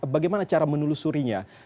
bagaimana cara menelusurinya